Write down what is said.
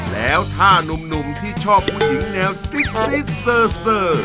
แล้วท่านุ่มที่ชอบผู้หญิงแนวติ๊กติ๊กเซอร์เซอร์